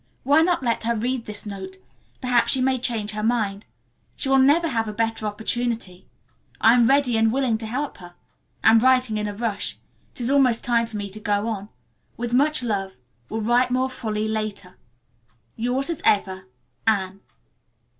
Why not let her read this note? Perhaps she may change her mind. She will never have a better opportunity. I am ready and willing to help her. Am writing in a rush. It is almost time for me to go on. With much love. Will write more fully later. "Yours as ever, ANNE."